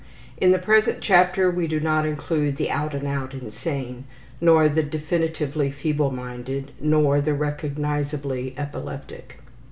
In the present chapter we do not include the out and out insane, nor the definitively feeble minded, nor the recognizably epileptic.